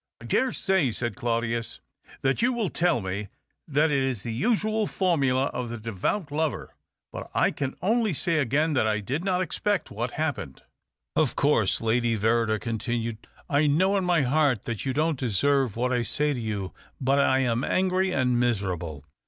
" I dare say," said Claudius, " that you will tell me that it is the usual formula of the devout lover ; but I can only say again that I did not expect what happened." 290 THE OCTAVE OF CLAUDIUS. " Of course," Lady Verrider continued, " I know in my heart that you don't deserve what I say to you. But I am angry and miserable.